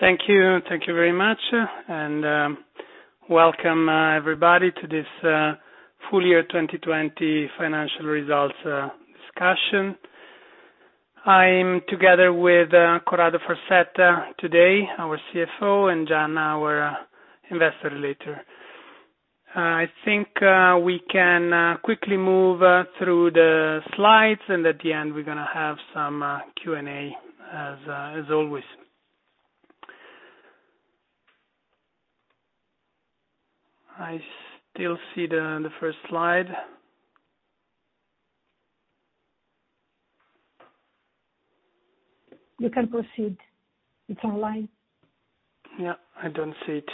Thank you. Thank you very much. Welcome, everybody, to this full year 2020 financial results discussion. I'm together with Corrado Farsetta today, our CFO, and Gian, our investor relator. I think we can quickly move through the slides. At the end, we're going to have some Q&A, as always. I still see the first slide. You can proceed. It's online. Yeah. I don't see it.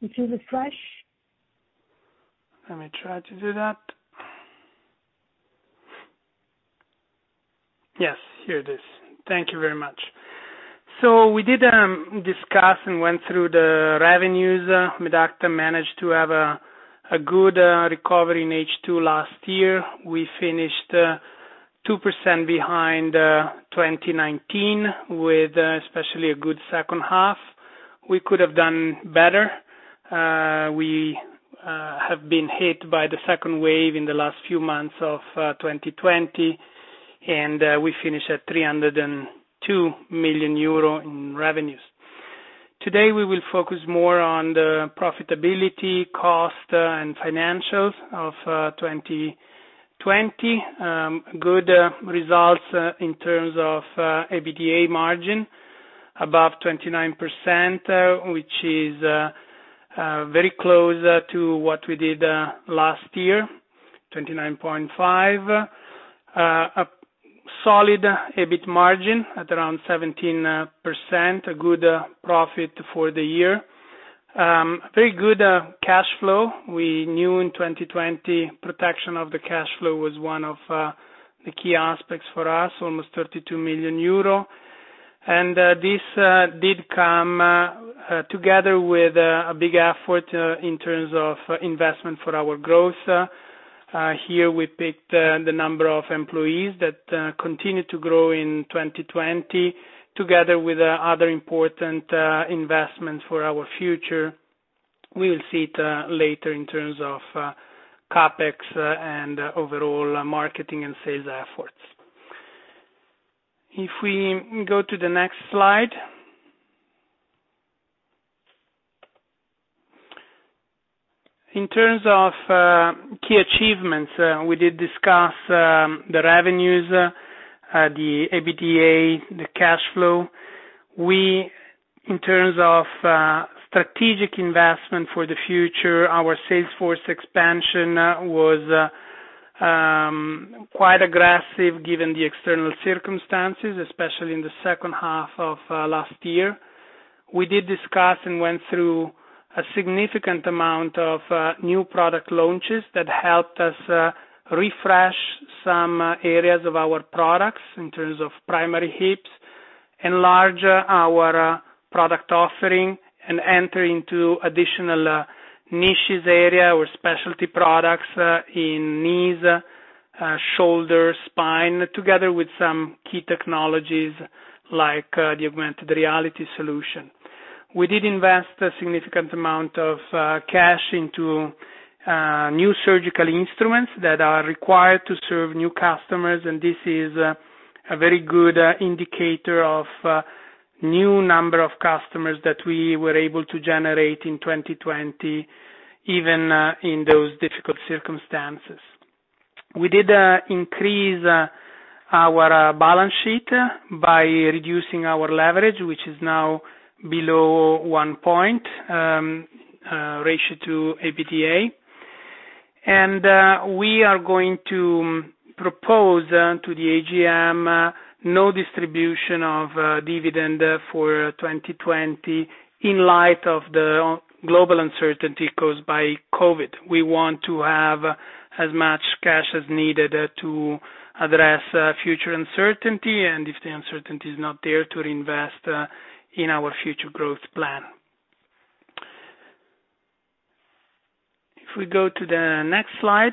You can refresh. Let me try to do that. Yes, here it is. Thank you very much. We did discuss and went through the revenues. Medacta managed to have a good recovery in H2 last year. We finished 2% behind 2019, with especially a good second half. We could have done better. We have been hit by the second wave in the last few months of 2020, and we finished at 302 million euro in revenues. Today, we will focus more on the profitability, cost, and financials of 2020. Good results in terms of EBITDA margin, above 29%, which is very close to what we did last year, 29.5%. A solid EBIT margin at around 17%, a good profit for the year. A very good cash flow. We knew in 2020, protection of the cash flow was one of the key aspects for us, almost 32 million euro. This did come together with a big effort in terms of investment for our growth. Here, we picked the number of employees that continued to grow in 2020, together with other important investments for our future. We will see it later in terms of CapEx and overall marketing and sales efforts. If we go to the next slide. In terms of key achievements, we did discuss the revenues, the EBITDA, the cash flow. We, in terms of strategic investment for the future, our sales force expansion was quite aggressive given the external circumstances, especially in the second half of last year. We did discuss and went through a significant amount of new product launches that helped us refresh some areas of our products in terms of primary hips, enlarge our product offering, and enter into additional niches area or specialty products in knees, shoulder, spine, together with some key technologies like the augmented reality solution. We did invest a significant amount of cash into new surgical instruments that are required to serve new customers, and this is a very good indicator of new number of customers that we were able to generate in 2020, even in those difficult circumstances. We did increase our balance sheet by reducing our leverage, which is now below 1 point, ratio to EBITDA. We are going to propose to the AGM no distribution of dividend for 2020 in light of the global uncertainty caused by COVID. We want to have as much cash as needed to address future uncertainty, and if the uncertainty is not there, to reinvest in our future growth plan. If we go to the next slide.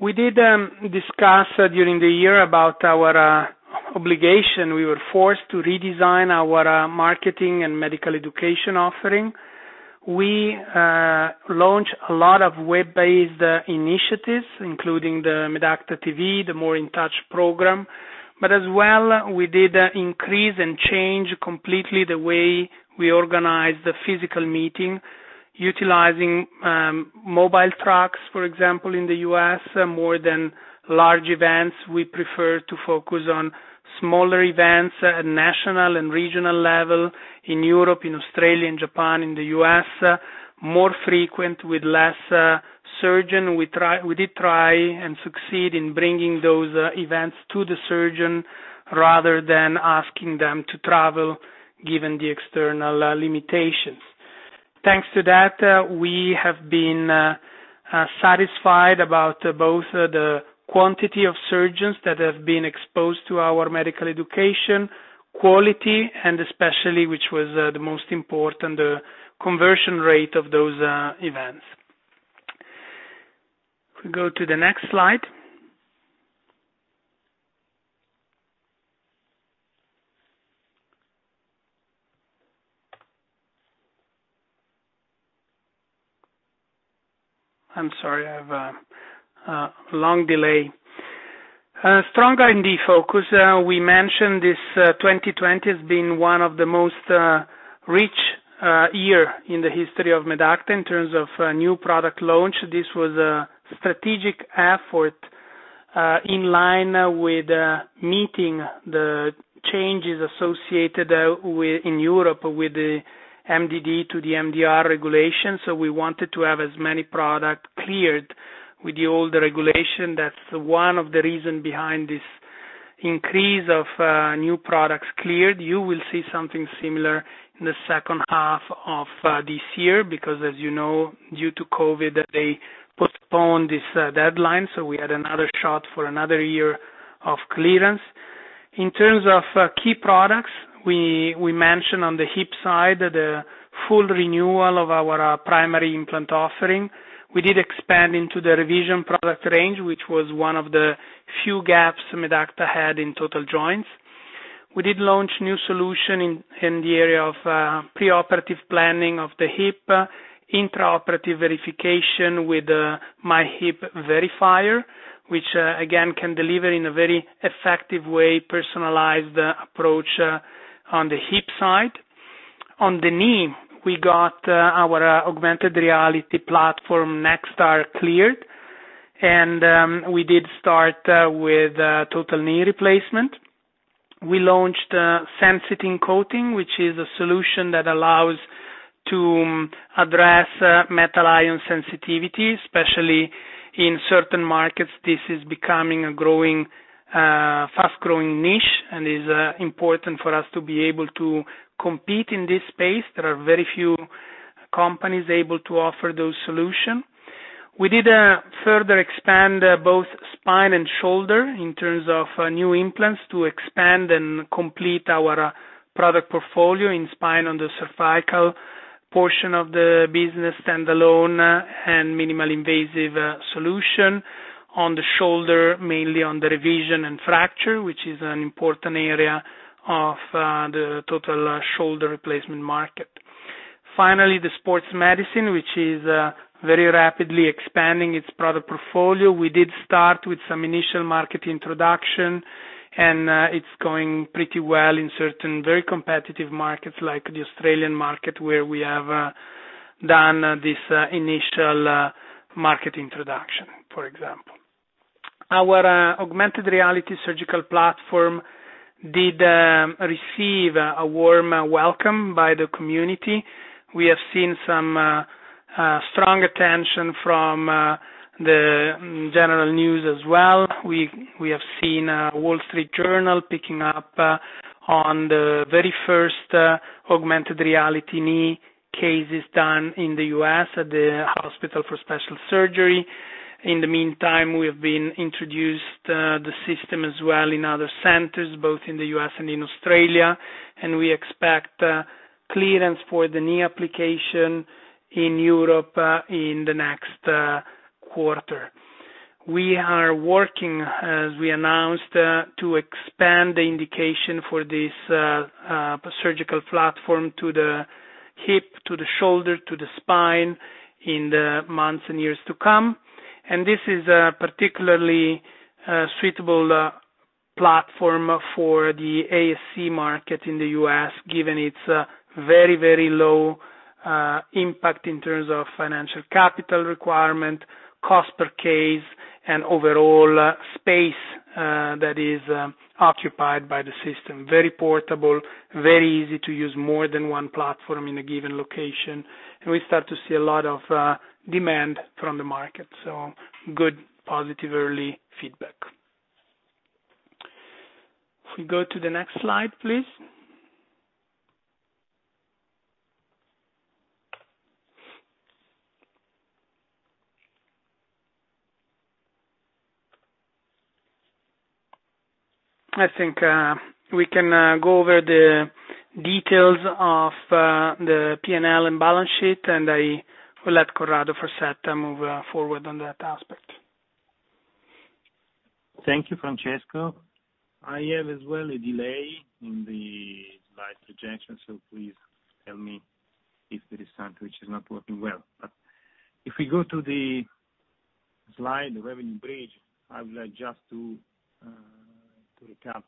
We did discuss during the year about our obligation. We were forced to redesign our marketing and medical education offering. We launched a lot of web-based initiatives, including the Medacta.TV, the M.O.R.E. in Touch program. As well, we did increase and change completely the way we organize the physical meeting, utilizing mobile trucks, for example, in the U.S., more than large events. We prefer to focus on smaller events at national and regional level in Europe, in Australia, in Japan, in the U.S., more frequent with less surgeon. We did try and succeed in bringing those events to the surgeon rather than asking them to travel, given the external limitations. Thanks to that, we have been satisfied about both the quantity of surgeons that have been exposed to our medical education, quality, and especially, which was the most important, the conversion rate of those events. If we go to the next slide. I'm sorry, I have a long delay. Strong R&D focus. We mentioned this 2020 has been one of the most rich year in the history of Medacta in terms of new product launch. This was a strategic effort in line with meeting the changes associated in Europe with the MDD to the MDR regulation. We wanted to have as many product cleared with the older regulation. That's one of the reason behind this increase of new products cleared. You will see something similar in the second half of this year because as you know, due to COVID, they postponed this deadline, so we had another shot for another year of clearance. In terms of key products, we mentioned on the Hip side, the full renewal of our primary implant offering. We did expand into the revision product range, which was one of the few gaps Medacta had in total joints. We did launch new solution in the area of preoperative planning of the hip, intraoperative verification with MyHip Verifier, which again, can deliver in a very effective way, personalized approach on the Hip side. On the Knee, we got our augmented reality platform, NextAR cleared, and we did start with total knee replacement. We launched SensiTiN coating, which is a solution that allows to address metal ion sensitivity, especially in certain markets. This is becoming a fast-growing niche and is important for us to be able to compete in this space. There are very few companies able to offer those solution. We did further expand both Spine and Shoulder in terms of new implants to expand and complete our product portfolio in Spine on the cervical portion of the business, standalone and minimally invasive solution. On the Shoulder, mainly on the revision and fracture, which is an important area of the total shoulder replacement market. Finally, the sports medicine, which is very rapidly expanding its product portfolio. We did start with some initial market introduction, and it's going pretty well in certain very competitive markets like the Australian market, where we have done this initial market introduction, for example. Our augmented reality surgical platform did receive a warm welcome by the community. We have seen some strong attention from the general news as well. We have seen The Wall Street Journal picking up on the very first augmented reality knee cases done in the U.S. at the Hospital for Special Surgery. In the meantime, we've been introduced the system as well in other centers, both in the U.S. and in Australia, and we expect clearance for the knee application in Europe in the next quarter. We are working, as we announced, to expand the indication for this surgical platform to the Hip, to the Shoulder, to the Spine in the months and years to come. This is a particularly suitable platform for the ASC market in the U.S., given its very, very low impact in terms of financial capital requirement, cost per case, and overall space that is occupied by the system. Very portable, very easy to use more than one platform in a given location. We start to see a lot of demand from the market. So good, positive early feedback. If we go to the next slide, please. I think we can go over the details of the P&L and balance sheet, and I will let Corrado Farsetta move forward on that aspect. Thank you, Francesco. I have as well a delay in the slide projection, so please tell me if there is something which is not working well. If we go to the slide, the revenue bridge, I would like just to recap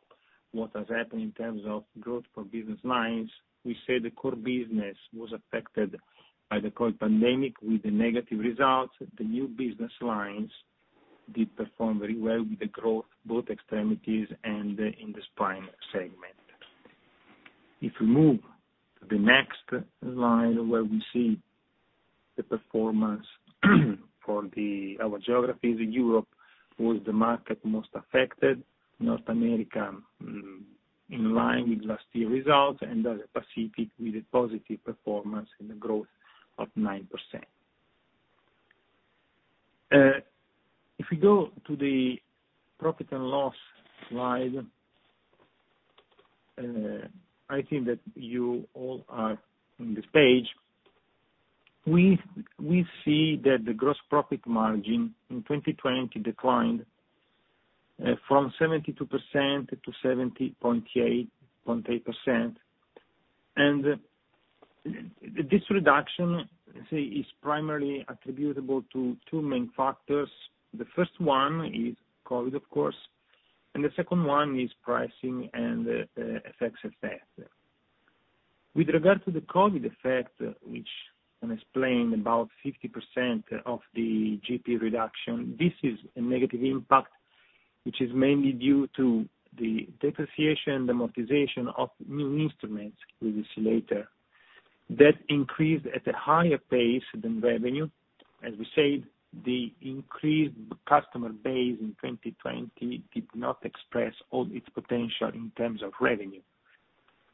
what has happened in terms of growth for business lines. We say the core business was affected by the COVID pandemic with the negative results. The new business lines did perform very well with the growth, both Extremities and in the Spine segment. If we move to the next slide, where we see the performance for our geographies. Europe was the market most affected, North America in line with last year results, and the Pacific with a positive performance and a growth of 9%. If we go to the profit and loss slide. I think that you all are on this page. We see that the gross profit margin in 2020 declined from 72% to 70.8%. This reduction is primarily attributable to two main factors. The first one is COVID, of course, and the second one is pricing and the FX effect. With regard to the COVID effect, which can explain about 50% of the GP reduction, this is a negative impact, which is mainly due to the depreciation and amortization of new instruments, we will see later. That increased at a higher pace than revenue. As we said, the increased customer base in 2020 did not express all its potential in terms of revenue.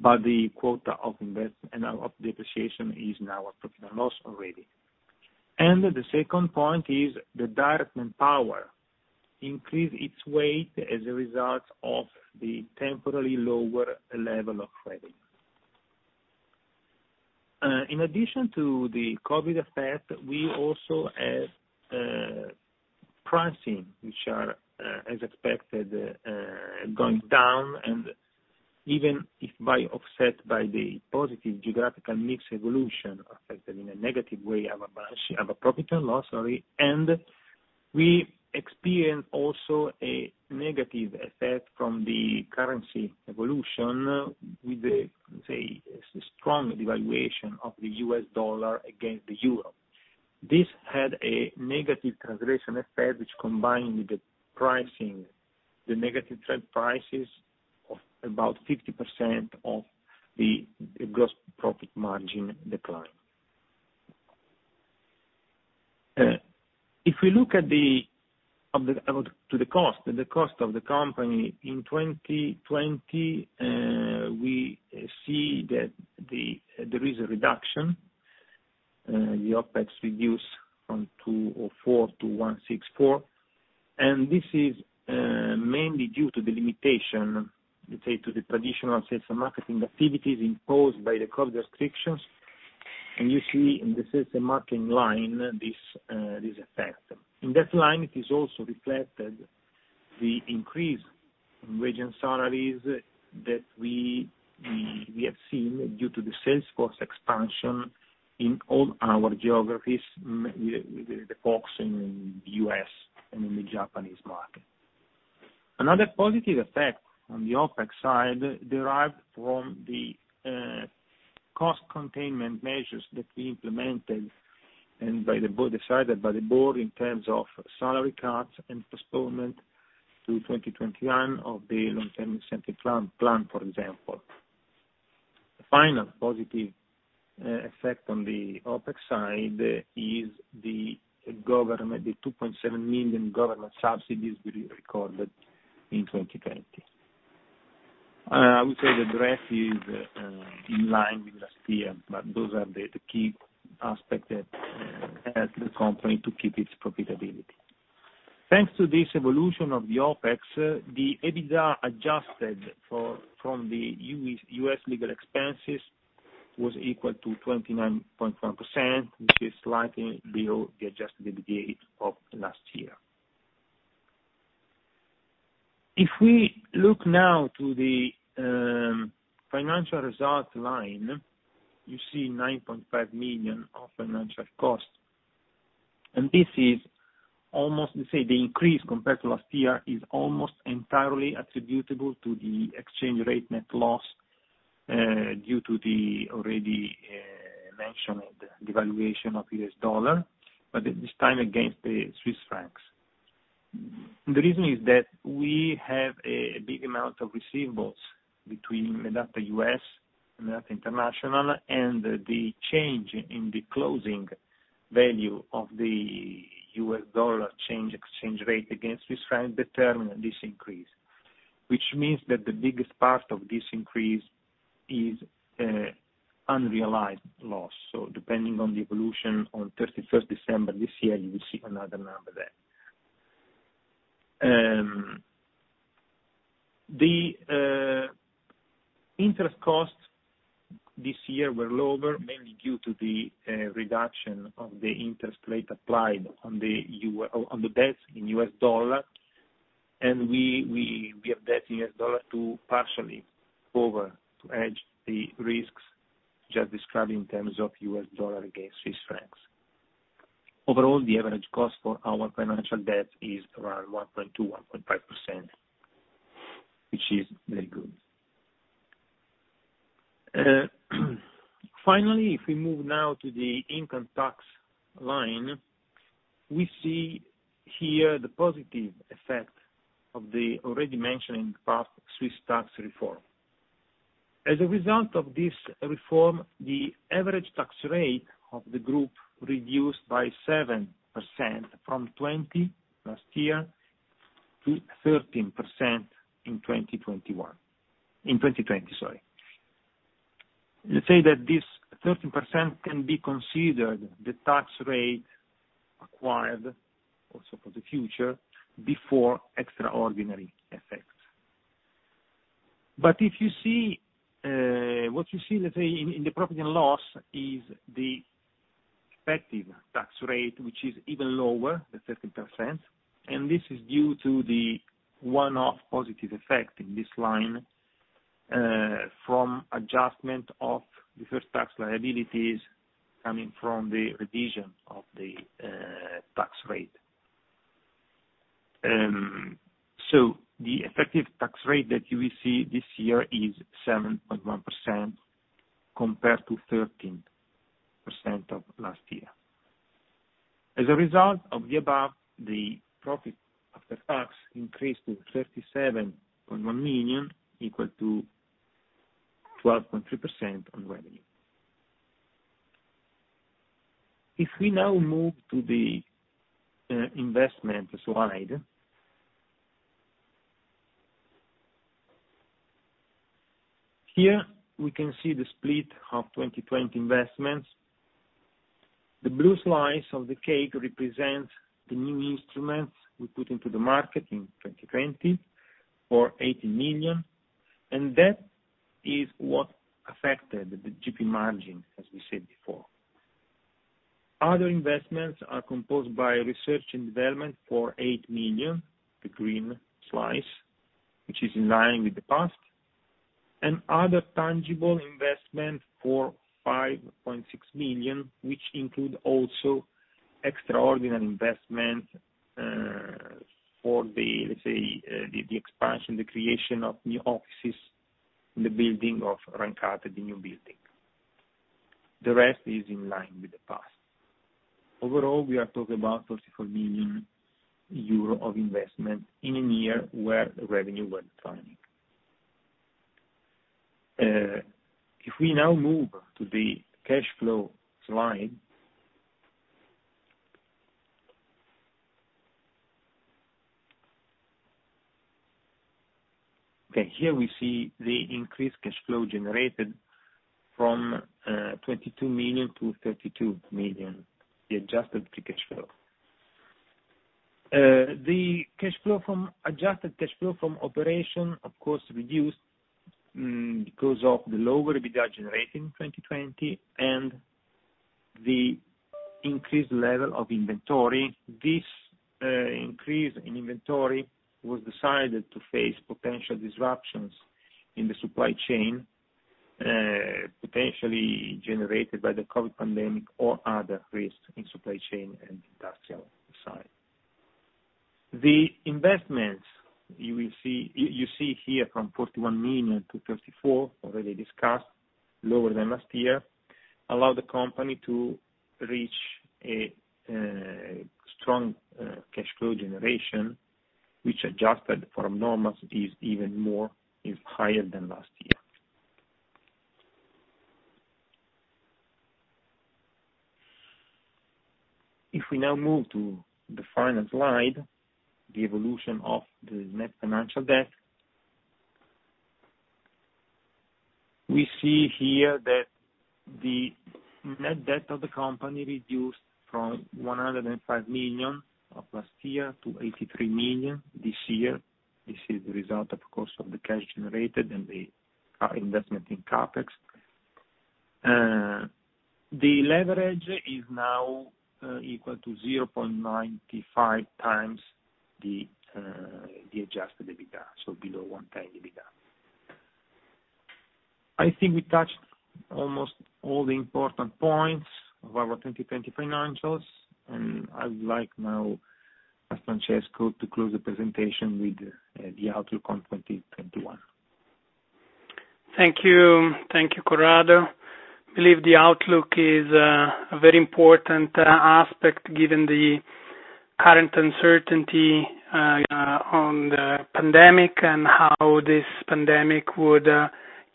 The quota of investment and of depreciation is now a profit and loss already. The second point is the direct manpower increased its weight as a result of the temporarily lower level of revenue. In addition to the COVID effect, we also have pricing, which are, as expected, going down, and even if offset by the positive geographical mix evolution affected in a negative way of a profit and loss. We experience also a negative effect from the currency evolution with the, let's say, strong devaluation of the U.S. dollar against the euro. This had a negative translation effect, which combined with the pricing, the negative trend prices of about 50% of the gross profit margin decline. If we look to the cost of the company in 2020, we see that there is a reduction. The OpEx reduced from 204 to 164. This is mainly due to the limitation, let's say, to the traditional sales and marketing activities imposed by the COVID restrictions. You see in the sales and marketing line, this effect. In that line, it is also reflected the increase in region salaries that we have seen due to the sales force expansion in all our geographies, with the focus in U.S. and in the Japanese market. Another positive effect on the OpEx side derived from the cost containment measures that we implemented and decided by the Board in terms of salary cuts and postponement to 2021 of the long-term incentive plan, for example. The final positive effect on the OpEx side is the government, the 2.7 million government subsidies we recorded in 2020. I would say the rest is in line with last year, but those are the key aspects that helped the company to keep its profitability. Thanks to this evolution of the OpEx, the EBITDA adjusted from the U.S. legal expenses was equal to 29.1%, which is slightly below the adjusted EBITDA of last year. If we look now to the financial result line, you see 9.5 million of financial cost. This is almost, let's say, the increase compared to last year is almost entirely attributable to the exchange rate net loss due to the already mentioned devaluation of U.S. dollar, but this time against the Swiss francs. The reason is that we have a big amount of receivables between Medacta U.S., Medacta International, and the change in the closing value of the U.S. dollar exchange rate against Swiss francs determine this increase, which means that the biggest part of this increase is unrealized loss. Depending on the evolution on 31st December this year, you will see another number there. The interest costs this year were lower, mainly due to the reduction of the interest rate applied on the debts in U.S. dollar. We have debt in U.S. dollar to partially cover, to hedge the risks just described in terms of U.S. dollar against Swiss francs. Overall, the average cost for our financial debt is around 1.2%, 1.5%, which is very good. Finally, if we move now to the income tax line, we see here the positive effect of the already mentioned past Swiss Tax Reform. As a result of this reform, the average tax rate of the group reduced by 7% from 20% last year to 13% in 2021. In 2020, sorry. Let's say that this 13% can be considered the tax rate acquired, also for the future, before extraordinary effects. What you see, let's say, in the profit and loss is the effective tax rate, which is even lower than 13%, and this is due to the one-off positive effect in this line from adjustment of deferred tax liabilities coming from the revision of the tax rate. The effective tax rate that you will see this year is 7.1% compared to 13% of last year. As a result of the above, the profit after tax increased to 37.1 million, equal to 12.3% on revenue. If we now move to the investment slide. Here we can see the split of 2020 investments. The blue slice of the cake represents the new instruments we put into the market in 2020 for 8 million, and that is what affected the GP margin, as we said before. Other investments are composed by research and development for 8 million, the green slice, which is in line with the past, and other tangible investment for 5.6 million, which include also extraordinary investment for the, let's say, the expansion, the creation of new offices in the building of Rancate, the new building. The rest is in line with the past. Overall, we are talking about 44 million euro of investment in a year where the revenue were declining. If we now move to the cash flow slide. Okay, here we see the increased cash flow generated from 22 million to 32 million, the adjusted free cash flow. The adjusted cash flow from operation, of course, reduced because of the lower EBITDA generated in 2020 and the increased level of inventory. This increase in inventory was decided to face potential disruptions in the supply chain, potentially generated by the COVID pandemic or other risks in supply chain and industrial side. The investments you see here from 41 million to 34 million, already discussed, lower than last year, allow the company to reach a strong cash flow generation, which adjusted for anomalies even more is higher than last year. If we now move to the final slide, the evolution of the net financial debt. We see here that the net debt of the company reduced from 105 million of last year to 83 million this year. This is the result, of course, of the cash generated and the investment in CapEx. The leverage is now equal to 0.95x the adjusted EBITDA, so below 1x EBITDA. I think we touched almost all the important points of our 2020 financials, and I would like now ask Francesco to close the presentation with the outlook on 2021. Thank you. Thank you, Corrado. We believe the outlook is a very important aspect given the current uncertainty on the pandemic and how this pandemic would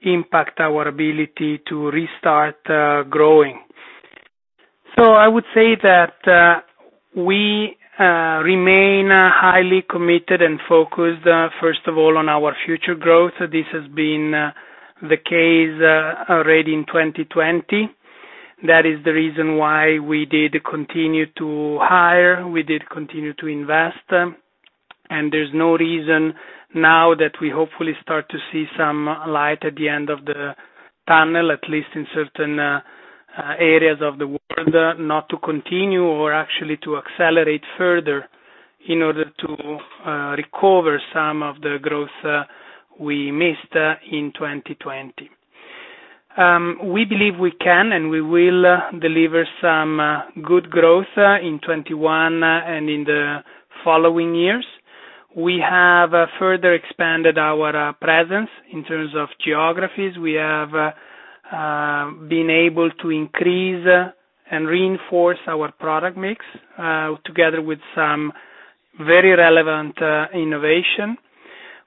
impact our ability to restart growing. I would say that we remain highly committed and focused, first of all, on our future growth. This has been the case already in 2020. That is the reason why we did continue to hire, we did continue to invest. There's no reason now that we hopefully start to see some light at the end of the tunnel, at least in certain areas of the world, not to continue or actually to accelerate further in order to recover some of the growth we missed in 2020. We believe we can, and we will deliver some good growth in 2021, and in the following years. We have further expanded our presence in terms of geographies. We have been able to increase and reinforce our product mix, together with some very relevant innovation.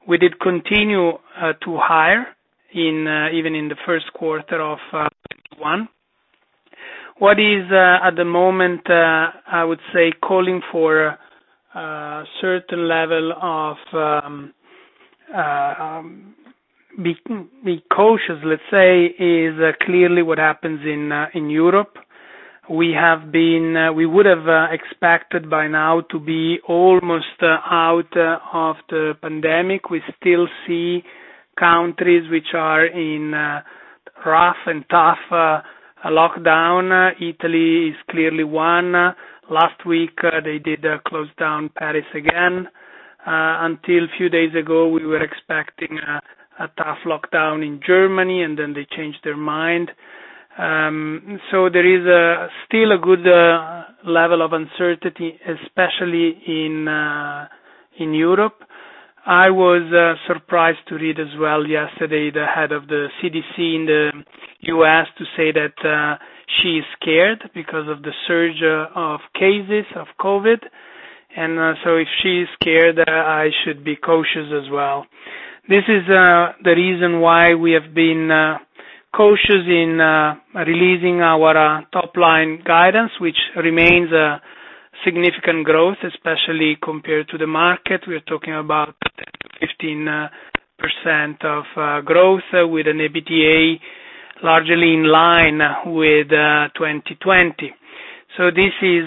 We did continue to hire, even in the first quarter of 2021. What is at the moment, I would say, calling for a certain level of being cautious, let's say, is clearly what happens in Europe. We would have expected by now to be almost out of the pandemic. We still see countries which are in rough and tough lockdown. Italy is clearly one. Last week, they did close down Paris again. Until a few days ago, we were expecting a tough lockdown in Germany, and then they changed their mind. There is still a good level of uncertainty, especially in Europe. I was surprised to read as well yesterday, the head of the CDC in the U.S. to say that she's scared because of the surge of cases of COVID. If she's scared, I should be cautious as well. This is the reason why we have been cautious in releasing our top-line guidance, which remains a significant growth, especially compared to the market. We're talking about 15% of growth with an EBITDA, largely in line with 2020. This is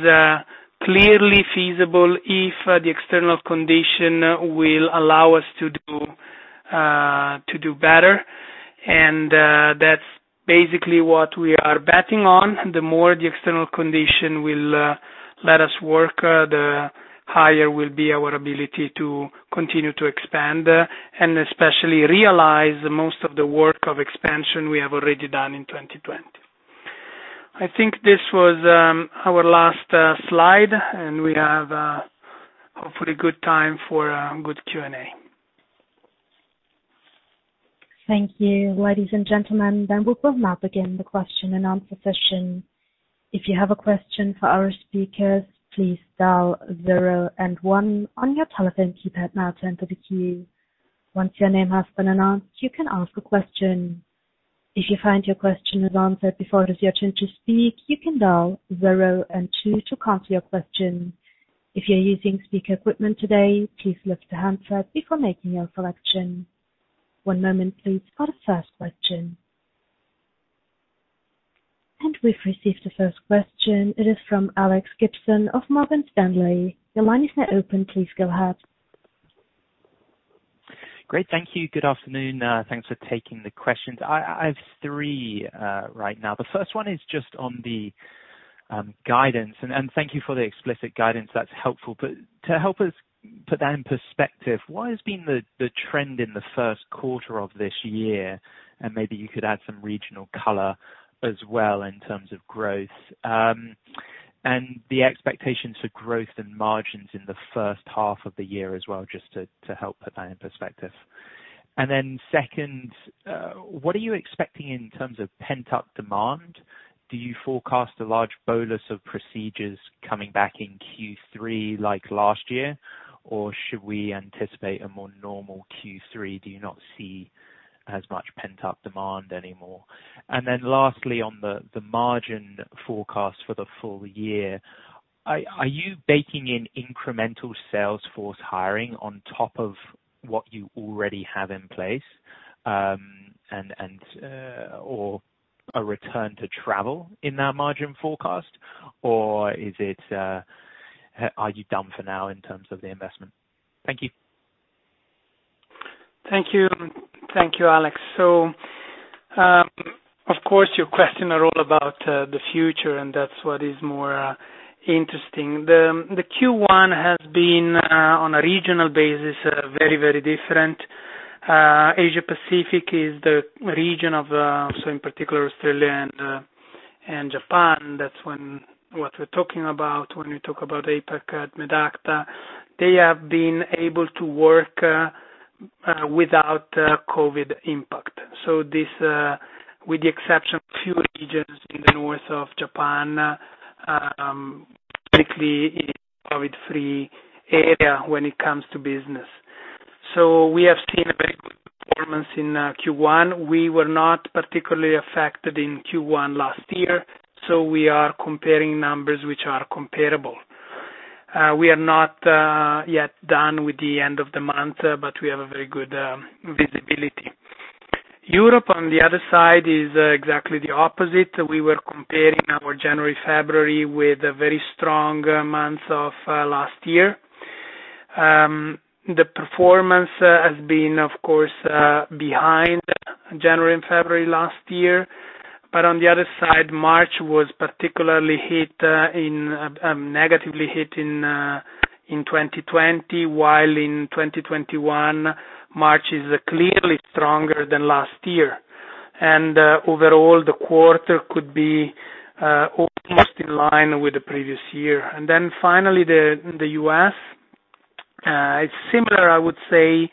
clearly feasible if the external conditions will allow us to do better. That's basically what we are betting on. The more the external conditions will let us work, the higher will be our ability to continue to expand, and especially realize most of the work of expansion we have already done in 2020. I think this was our last slide, and we have hopefully good time for good Q&A. Thank you, ladies and gentlemen. We will now begin the question and answer session. If you have a question for our speakers, please dial zero and one on your telephone keypad now to enter the queue. Once your name has been announced, you can ask a question. If you find your question is answered before it is your turn to speak, you can dial zero and two to cancel your question. If you're using speaker equipment today, please lift the handset before making your selection. One moment, please, for the first question. We've received the first question. It is from Alex Gibson of Morgan Stanley. Your line is now open. Please go ahead. Great. Thank you. Good afternoon. Thanks for taking the questions. I have three right now. The first one is just on the guidance. Thank you for the explicit guidance. That's helpful. To help us put that in perspective, what has been the trend in the first quarter of this year? Maybe you could add some regional color as well in terms of growth. The expectations for growth and margins in the first half of the year as well, just to help put that in perspective. Then second, what are you expecting in terms of pent-up demand? Do you forecast a large bolus of procedures coming back in Q3 like last year? Should we anticipate a more normal Q3? Do you not see as much pent-up demand anymore? Lastly, on the margin forecast for the full year, are you baking in incremental sales force hiring on top of what you already have in place? Or a return to travel in that margin forecast, or are you done for now in terms of the investment? Thank you. Thank you, Alex. Of course, your question are all about the future, and that's what is more interesting. The Q1 has been, on a regional basis, very, very different. Asia Pacific is the region of so in particular, Australia and Japan. That's what we're talking about when we talk about APAC at Medacta. They have been able to work without COVID impact. This, with the exception of few regions in the north of Japan, basically COVID free area when it comes to business. We have seen a very good performance in Q1. We were not particularly affected in Q1 last year, so we are comparing numbers which are comparable. We are not yet done with the end of the month, but we have a very good visibility. Europe, on the other side, is exactly the opposite. We were comparing our January, February with a very strong months of last year. The performance has been, of course, behind January and February last year. On the other side, March was particularly negatively hit in 2020, while in 2021, March is clearly stronger than last year. Overall, the quarter could be almost in line with the previous year. Finally, the U.S. It's similar, I would say,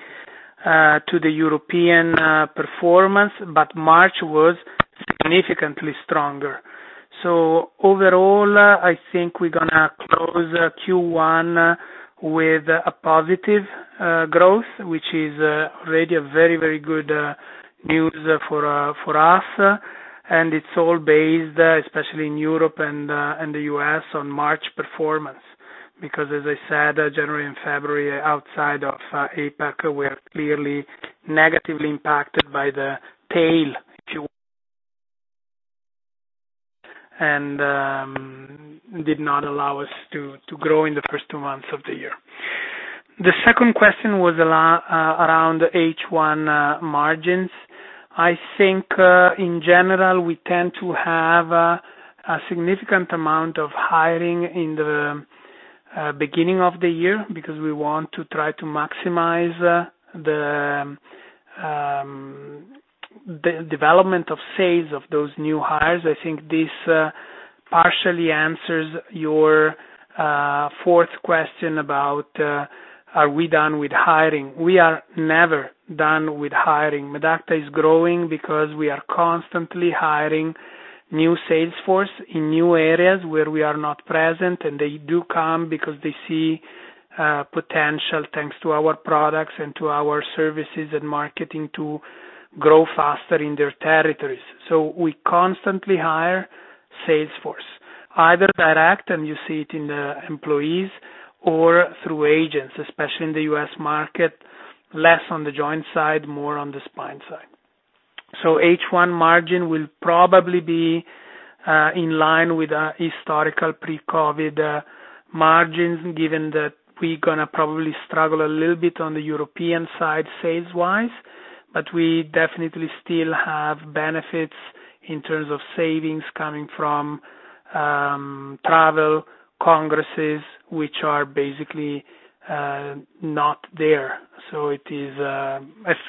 to the European performance, but March was significantly stronger. Overall, I think we're going to close Q1 with a positive growth, which is already a very good news for us. It's all based, especially in Europe and the U.S., on March performance. Because as I said, January and February, outside of APAC, we are clearly negatively impacted by the tail, and did not allow us to grow in the first two months of the year. The second question was around H1 margins. I think, in general, we tend to have a significant amount of hiring in the beginning of the year, because we want to try to maximize the development of sales of those new hires. I think this partially answers your fourth question about, are we done with hiring. We are never done with hiring. Medacta is growing because we are constantly hiring new sales force in new areas where we are not present, and they do come because they see potential, thanks to our products and to our services and marketing, to grow faster in their territories. We constantly hire sales force, either direct, and you see it in the employees, or through agents, especially in the U.S. market, less on the joint side, more on the spine side. H1 margin will probably be in line with our historical pre-COVID margins, given that we're going to probably struggle a little bit on the European side, sales-wise, but we definitely still have benefits in terms of savings coming from travel, congresses, which are basically not there. It is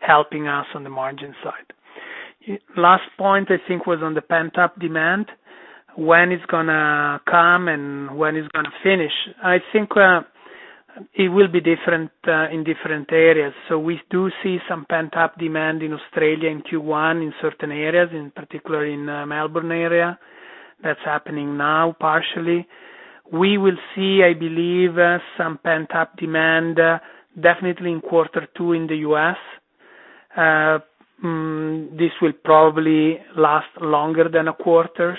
helping us on the margin side. Last point, I think, was on the pent-up demand, when it's going to come and when it's going to finish. I think it will be different in different areas. We do see some pent-up demand in Australia in Q1 in certain areas, in particular in Melbourne area. That's happening now partially. We will see, I believe, some pent-up demand definitely in quarter two in the U.S. This will probably last longer than a quarter.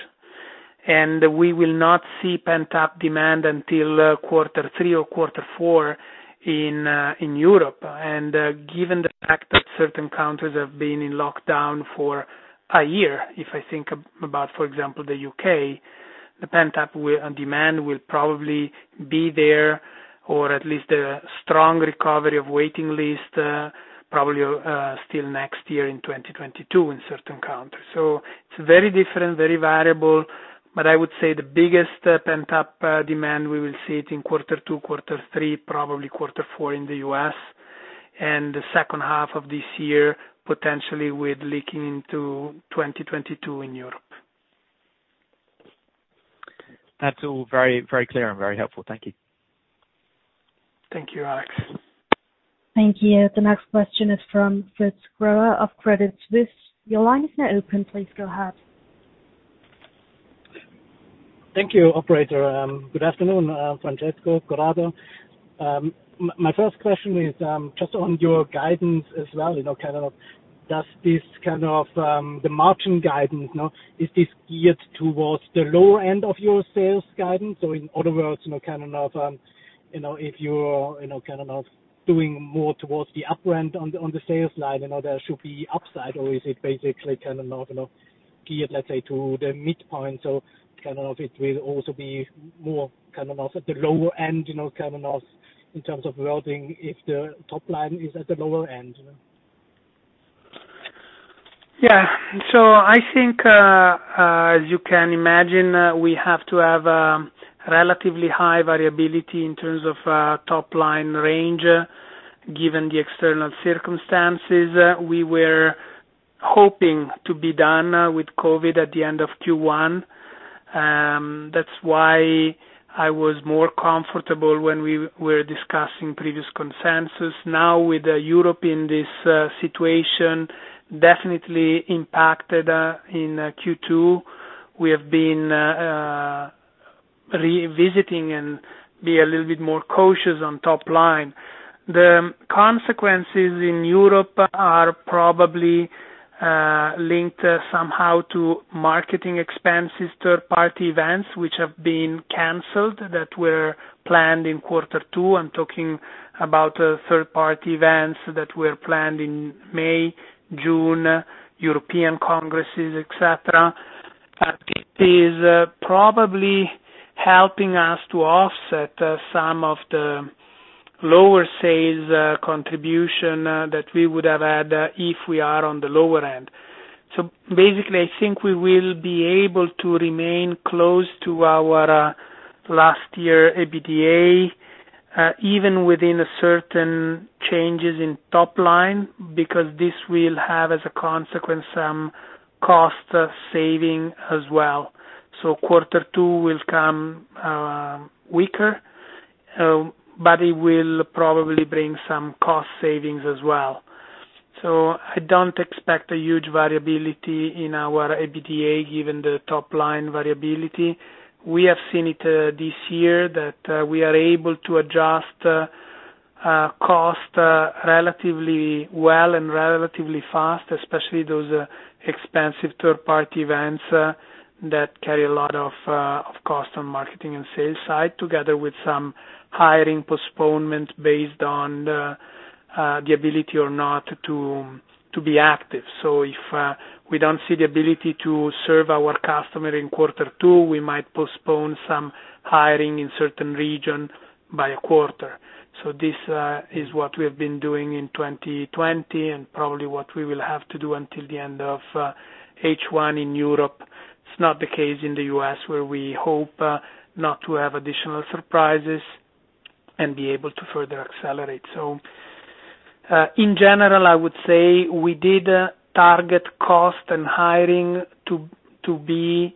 We will not see pent-up demand until quarter three or quarter four in Europe. Given the fact that certain countries have been in lockdown for a year, if I think about, for example, the U.K., the pent-up demand will probably be there, or at least a strong recovery of waiting list, probably still next year in 2022 in certain countries. It's very different, very variable, but I would say the biggest pent-up demand, we will see it in quarter two, quarter three, probably quarter four in the U.S., and the second half of this year, potentially with leaking into 2022 in Europe. That's all very clear and very helpful. Thank you. Thank you, Alex. Thank you. The next question is from Fritz Grohe of Credit Suisse. Your line is now open. Please go ahead. Thank you, operator. Good afternoon, Francesco, Corrado. My first question is just on your guidance as well. Does this kind of the margin guidance, is this geared towards the lower end of your sales guidance? In other words, if you're doing more towards the upper end on the sales side, there should be upside, or is it basically geared, let's say, to the midpoint? It will also be more at the lower end, in terms of wording, if the top line is at the lower end. I think, as you can imagine, we have to have a relatively high variability in terms of top-line range, given the external circumstances. We were hoping to be done with COVID at the end of Q1. That's why I was more comfortable when we were discussing previous consensus. With Europe in this situation, definitely impacted in Q2, we have been revisiting and be a little bit more cautious on top line. The consequences in Europe are probably linked somehow to marketing expenses, third-party events which have been canceled that were planned in quarter two. I'm talking about third-party events that were planned in May, June, European congresses, et cetera. It is probably helping us to offset some of the lower sales contribution that we would have had if we are on the lower end. Basically, I think we will be able to remain close to our last year EBITDA, even within certain changes in top line, because this will have, as a consequence, some cost saving as well. Quarter two will come weaker, but it will probably bring some cost savings as well. I don't expect a huge variability in our EBITDA, given the top-line variability. We have seen it this year that we are able to adjust cost relatively well and relatively fast, especially those expensive third-party events that carry a lot of cost on marketing and sales side, together with some hiring postponements based on the ability or not to be active. If we don't see the ability to serve our customer in quarter two, we might postpone some hiring in certain region by a quarter. This is what we have been doing in 2020 and probably what we will have to do until the end of H1 in Europe. It's not the case in the U.S., where we hope not to have additional surprises and be able to further accelerate. In general, I would say we did target cost and hiring to be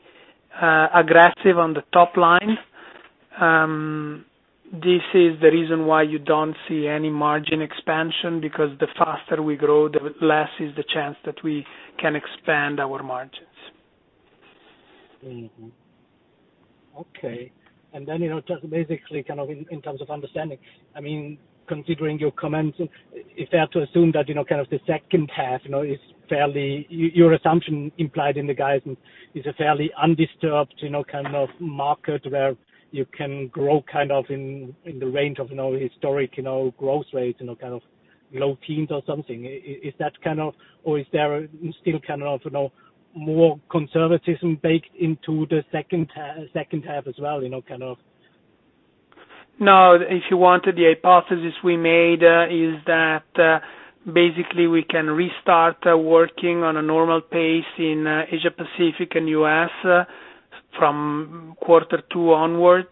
aggressive on the top line. This is the reason why you don't see any margin expansion, because the faster we grow, the less is the chance that we can expand our margins. Okay. Just basically in terms of understanding, considering your comments, is it fair to assume that, kind of the second half, your assumption implied in the guidance is a fairly undisturbed kind of market where you can grow in the range of historic growth rates, kind of low teens or something. Or is there still more conservatism baked into the second half as well? No. If you want, the hypothesis we made is that basically we can restart working on a normal pace in Asia-Pacific and U.S. from quarter two onward,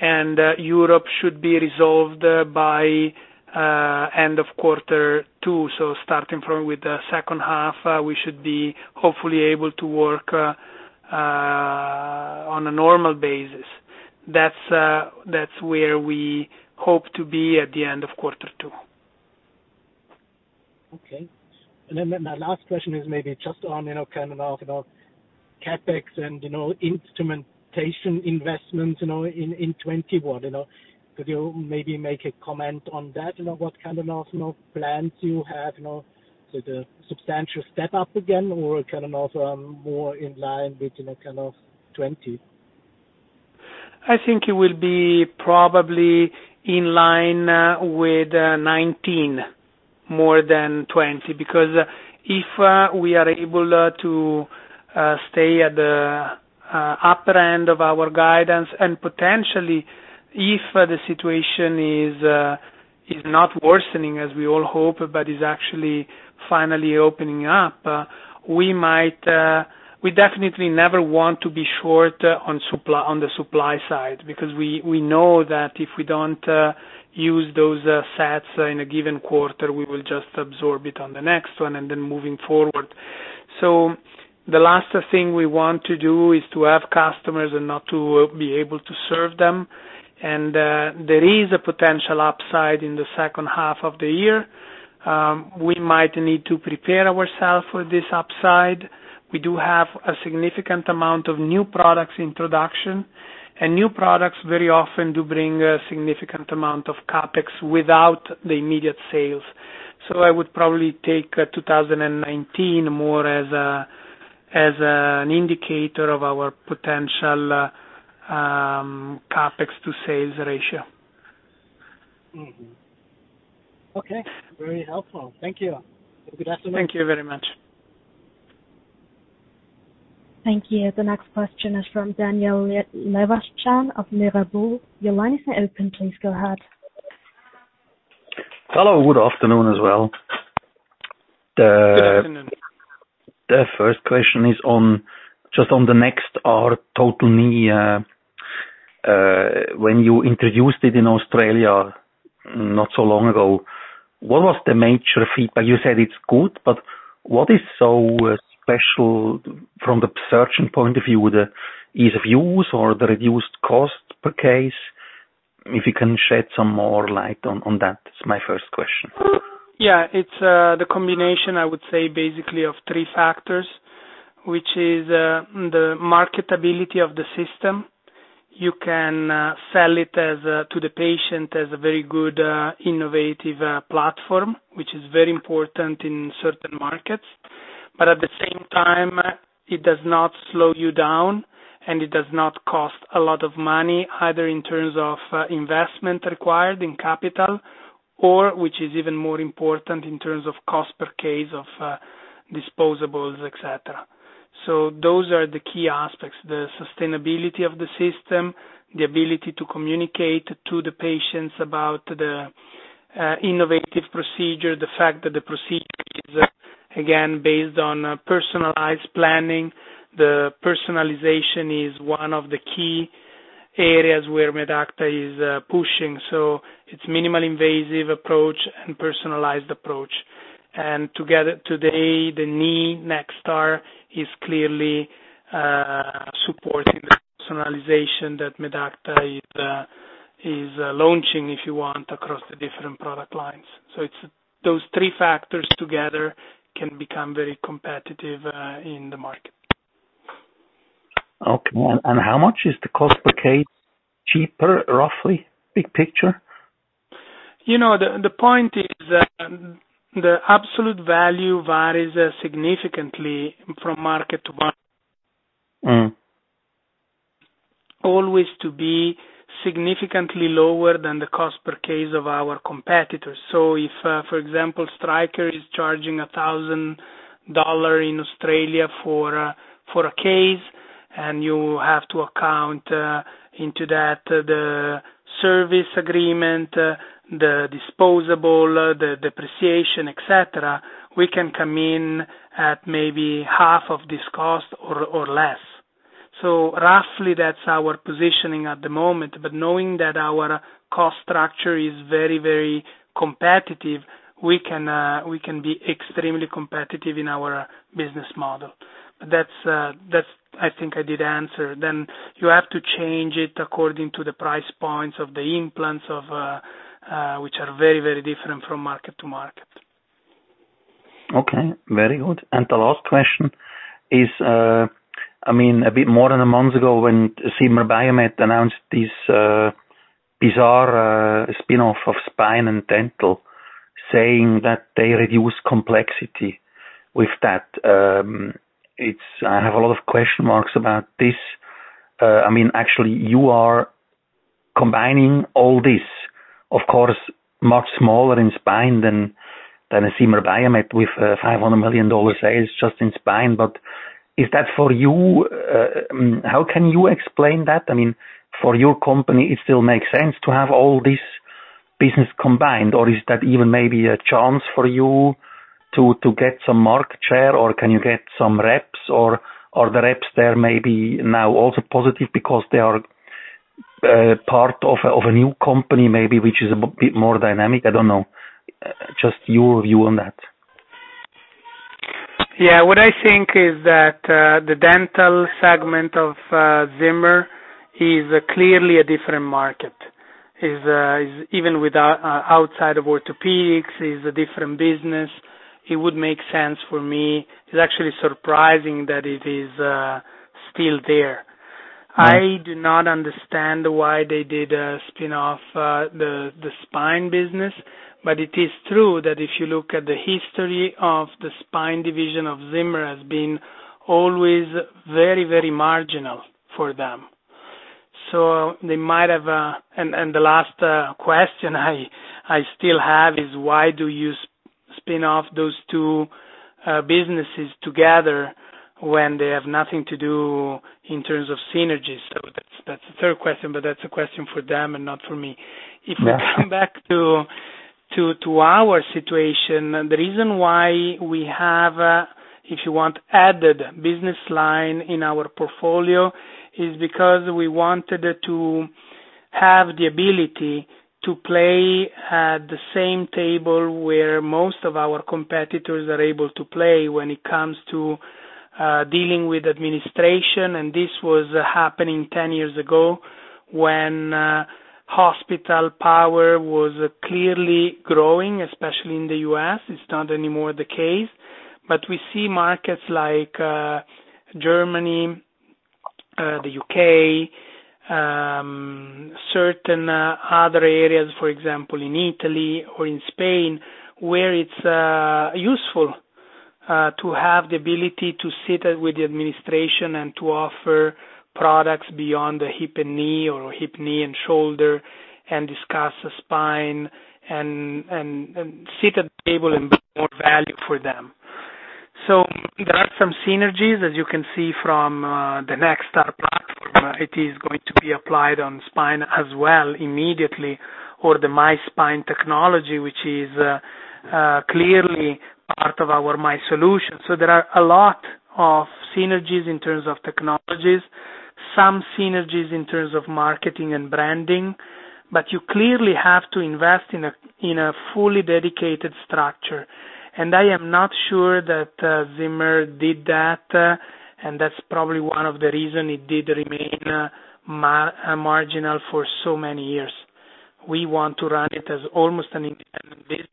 and Europe should be resolved by end of quarter two. Starting from with the second half, we should be hopefully able to work on a normal basis. That's where we hope to be at the end of quarter two. Okay. My last question is maybe just on, kind of CapEx and instrumentation investment in 2021. Could you maybe make a comment on that, what kind of plans you have? The substantial step-up again or kind of more in line with kind of 2020? I think it will be probably in line with 2019 more than 2020, because if we are able to stay at the upper end of our guidance and potentially if the situation is not worsening as we all hope, but is actually finally opening up, we definitely never want to be short on the supply side, because we know that if we don't use those sets in a given quarter, we will just absorb it on the next one and then moving forward. The last thing we want to do is to have customers and not to be able to serve them. There is a potential upside in the second half of the year. We might need to prepare ourselves for this upside. We do have a significant amount of new products introduction, and new products very often do bring a significant amount of CapEx without the immediate sales. I would probably take 2019 more as an indicator of our potential CapEx to sales ratio. Okay. Very helpful. Thank you. Have a good afternoon. Thank you very much. Thank you. The next question is from Daniel Jelovcan of Mirabaud. Please go ahead. Hello. Good afternoon as well. Good afternoon. The first question is just on the NextAR Total Knee. When you introduced it in Australia not so long ago, what was the major feedback? What is so special from the surgeon point of view, the ease of use or the reduced cost per case? If you can shed some more light on that. It's my first question. Yeah. It's the combination, I would say, basically, of three factors, which is the marketability of the system. You can sell it to the patient as a very good, innovative platform, which is very important in certain markets. At the same time, it does not slow you down, and it does not cost a lot of money, either in terms of investment required in capital or, which is even more important, in terms of cost per case of disposables, et cetera. Those are the key aspects, the sustainability of the system, the ability to communicate to the patients about the innovative procedure, the fact that the procedure is, again, based on personalized planning. The personalization is one of the key areas where Medacta is pushing. It's minimally invasive approach and personalized approach. Today, the Knee NextAR is clearly supporting that personalization that Medacta is launching, if you want, across the different product lines. Those three factors together can become very competitive in the market. Okay. How much is the cost per case cheaper, roughly? Big picture. The point is that the absolute value varies significantly from market to market. To be significantly lower than the cost per case of our competitors. If, for example, Stryker is charging EUR 1,000 in Australia for a case and you have to account into that the service agreement, the disposable, the depreciation, et cetera, we can come in at maybe half of this cost or less. Roughly that's our positioning at the moment. Knowing that our cost structure is very competitive, we can be extremely competitive in our business model. That's, I think I did answer. You have to change it according to the price points of the implants, which are very different from market to market. Okay. Very good. The last question is, a bit more than a month ago when Zimmer Biomet announced this bizarre spinoff of spine and dental, saying that they reduce complexity with that. I have a lot of question marks about this. Actually you are combining all this, of course, much smaller in Spine than a Zimmer Biomet with EUR 500 million sales just in Spine. How can you explain that? For your company, it still makes sense to have all this business combined, or is that even maybe a chance for you to get some market share, or can you get some reps or the reps there may be now also positive because they are part of a new company, maybe, which is a bit more dynamic? I don't know. Just your view on that. Yeah. What I think is that the dental segment of Zimmer is clearly a different market. Even outside of orthopedics, is a different business. It would make sense for me. It's actually surprising that it is still there. Right. I do not understand why they did a spinoff the Spine business. It is true that if you look at the history of the Spine division of Zimmer has been always very marginal for them. The last question I still have is why do you spin off those two businesses together when they have nothing to do in terms of synergies? That's the third question, but that's a question for them and not for me. Yeah. If we come back to our situation, the reason why we have, if you want, added business line in our portfolio is because we wanted to have the ability to play at the same table where most of our competitors are able to play when it comes to dealing with administration, and this was happening 10 years ago when hospital power was clearly growing, especially in the U.S. It's not anymore the case. But we see markets like Germany, the U.K., certain other areas, for example, in Italy or in Spain, where it's useful to have the ability to sit with the administration and to offer products beyond the Hip and Knee or Hip, Knee, and Shoulder and discuss the Spine and sit at the table and bring more value for them. There are some synergies, as you can see from the NextAR platform. It is going to be applied on Spine as well immediately, or the MySpine technology, which is clearly part of our MySolutions. There are a lot of synergies in terms of technologies, some synergies in terms of marketing and branding. You clearly have to invest in a fully dedicated structure. I am not sure that Zimmer did that, and that's probably one of the reason it did remain marginal for so many years. We want to run it as almost an independent.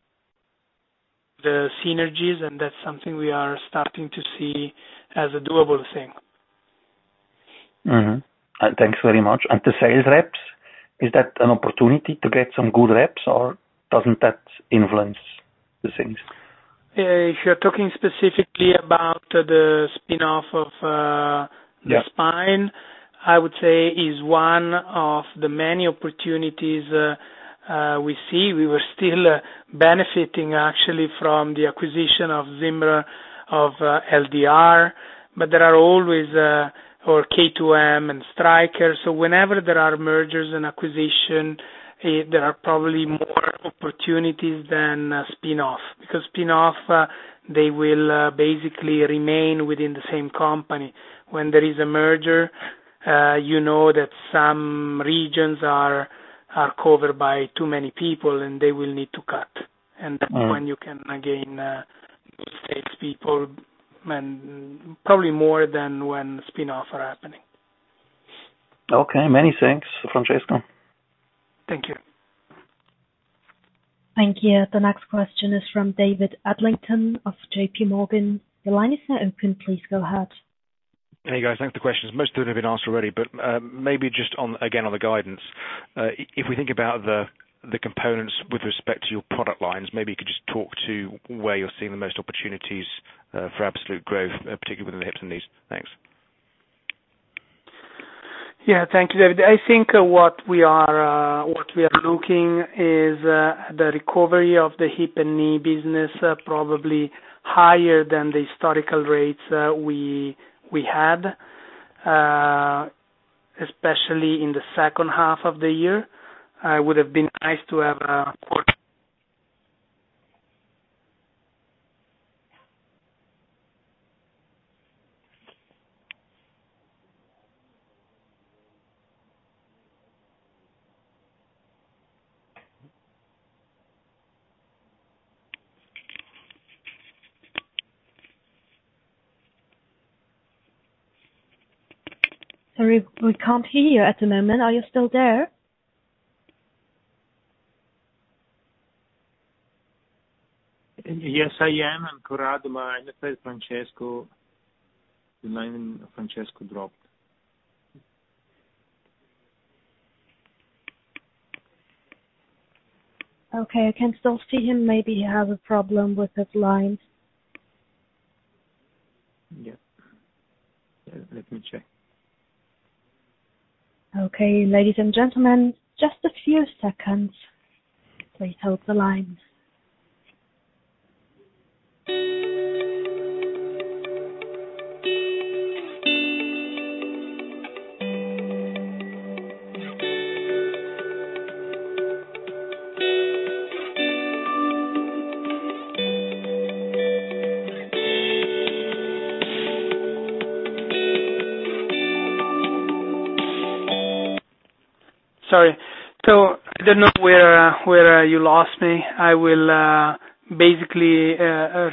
The synergies, and that's something we are starting to see as a doable thing. Thanks very much. The sales reps, is that an opportunity to get some good reps, or doesn't that influence the things? If you're talking specifically about the spinoff- Yeah.... of Spine, I would say is one of the many opportunities we see. We were still benefiting actually from the acquisition of Zimmer, of LDR, or K2M and Stryker. Whenever there are mergers and acquisitions, there are probably more opportunities than spinoffs. Spinoffs, they will basically remain within the same company. When there is a merger, you know that some regions are covered by too many people, and they will need to cut. That's when you can again, it's people, probably more than when spin-offs are happening. Okay, many thanks, Francesco. Thank you. Thank you. The next question is from David Adlington of JPMorgan. Your line is now open. Please go ahead. Hey, guys. Thanks for the questions. Most of them have been asked already. Maybe just, again, on the guidance. If we think about the components with respect to your product lines, maybe you could just talk to where you're seeing the most opportunities for absolute growth, particularly within the Hips and Knees. Thanks. Yeah. Thank you, David. I think what we are looking is the recovery of the Hip and Knee business, probably higher than the historical rates we had, especially in the second half of the year. It would've been nice to have a- Sorry, we can't hear you at the moment. Are you still there? Yes, I am. I'm Corrado Farsetta, Francesco. The line of Francesco dropped. Okay, I can still see him. Maybe he has a problem with his line. Yeah. Let me check. Okay, ladies and gentlemen, just a few seconds. Please hold the line. Sorry. I don't know where you lost me. I will basically,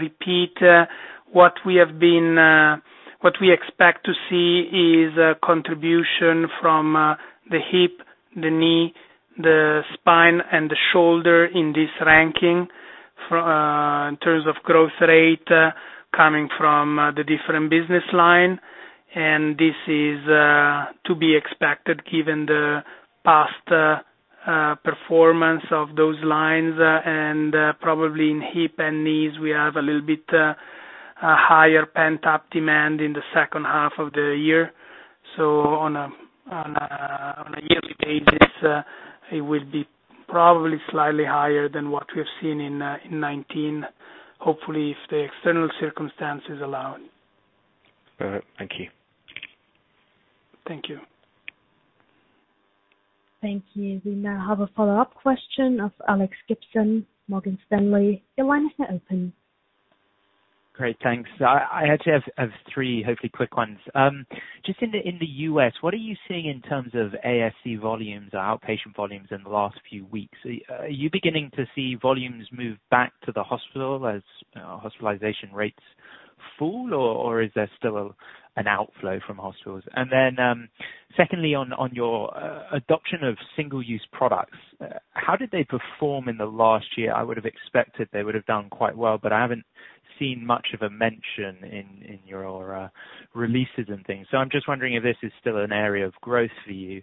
repeat what we expect to see is a contribution from the Hip, the Knee, the Spine, and the Shoulder in this ranking, in terms of growth rate, coming from the different business line. This is to be expected given the past performance of those lines. Probably in Hip and Knees, we have a little bit higher pent-up demand in the second half of the year. On a yearly basis, it will be probably slightly higher than what we have seen in 2019, hopefully, if the external circumstances allow it. All right. Thank you. Thank you. Thank you. We now have a follow-up question of Alex Gibson, Morgan Stanley. Your line is now open. Great. Thanks. I actually have three, hopefully, quick ones. Just in the U.S., what are you seeing in terms of ASC volumes or outpatient volumes in the last few weeks? Are you beginning to see volumes move back to the hospital as hospitalization rates fall, or is there still an outflow from hospitals? Secondly, on your adoption of single-use products, how did they perform in the last year? I would've expected they would've done quite well, but I haven't seen much of a mention in your releases and things. I'm just wondering if this is still an area of growth for you.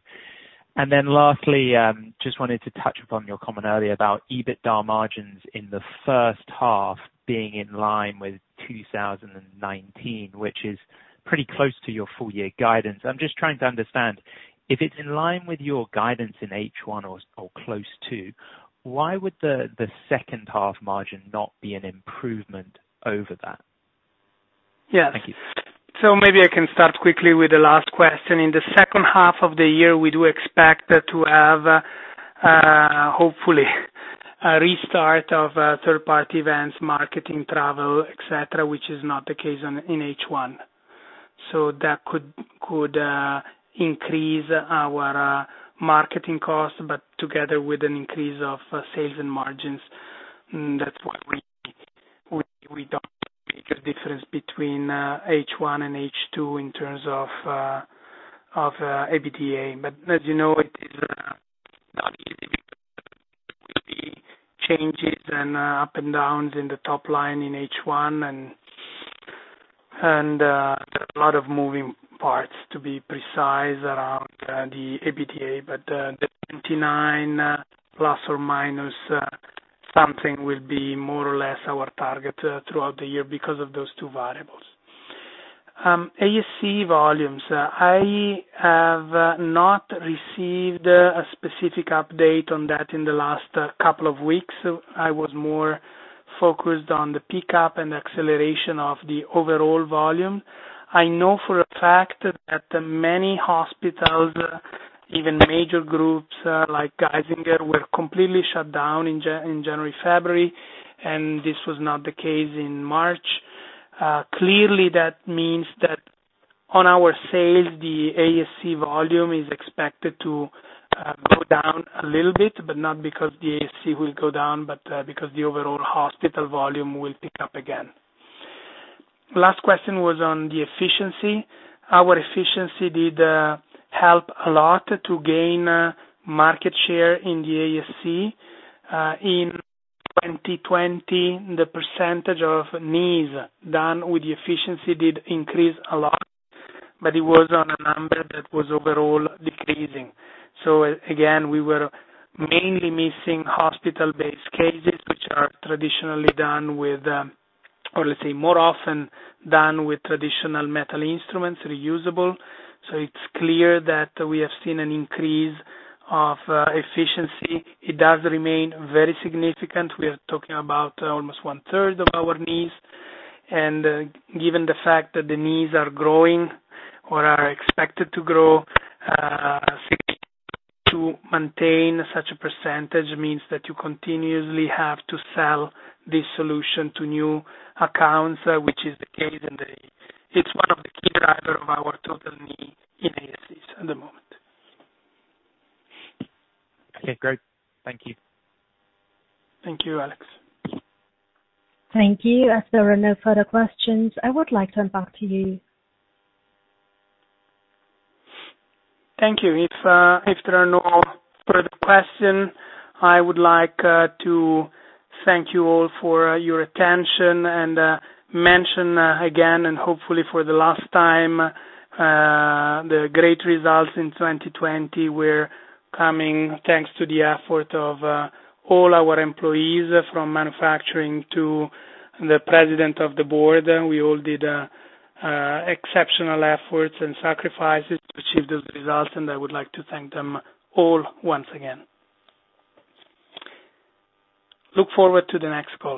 Lastly, just wanted to touch upon your comment earlier about EBITDA margins in the first half being in line with 2019, which is pretty close to your full year guidance. I'm just trying to understand, if it's in line with your guidance in H1 or close to, why would the second half margin not be an improvement over that? Yeah. Thank you. Maybe I can start quickly with the last question. In the second half of the year, we do expect to have, hopefully, a restart of third-party events, marketing, travel, et cetera, which is not the case in H1. That could increase our marketing cost, but together with an increase of sales and margins, that's why we don't make a difference between H1 and H2 in terms of EBITDA. As you know, it is not easy because there will be changes and up and downs in the top line in H1 and there are a lot of moving parts to be precise around the EBITDA. The 29 ± something will be more or less our target throughout the year because of those two variables. ASC volumes. I have not received a specific update on that in the last couple of weeks. I was more focused on the pickup and acceleration of the overall volume. I know for a fact that many hospitals, even major groups like Geisinger, were completely shut down in January, February, and this was not the case in March. Clearly, that means that on our sales, the ASC volume is expected to go down a little bit, but not because the ASC will go down, but because the overall hospital volume will pick up again. Last question was on the Efficiency. Our Efficiency did help a lot to gain market share in the ASC. In 2020, the percentage of knees done with the Efficiency did increase a lot, but it was on a number that was overall decreasing. Again, we were mainly missing hospital-based cases, which are traditionally done with, or let's say more often done with traditional metal instruments, reusable. It's clear that we have seen an increase of Efficiency. It does remain very significant. We are talking about almost 1/3 of our Knees, and given the fact that the Knees are growing or are expected to grow, to maintain such a percentage means that you continuously have to sell this solution to new accounts, which is the case, and it's one of the key driver of our total Knee in ASCs at the moment. Okay, great. Thank you. Thank you, Alex. Thank you. As there are no further questions, I would like to hand back to you. Thank you. If there are no further question, I would like to thank you all for your attention and mention again, and hopefully for the last time, the great results in 2020, were coming thanks to the effort of all our employees from manufacturing to the President of the Board. We all did exceptional efforts and sacrifices to achieve those results, and I would like to thank them all once again. Look forward to the next call.